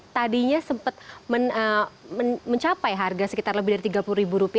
tadinya sempat mencapai harga sekitar lebih dari rp tiga puluh